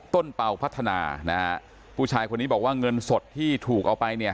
เป่าพัฒนานะฮะผู้ชายคนนี้บอกว่าเงินสดที่ถูกเอาไปเนี่ย